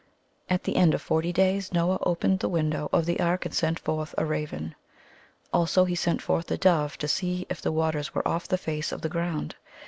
At the end of forty days Noah opened the win dow of the ark and sent forth a raven. Also he sent forth a dove to see if the waters were off the face of the ground.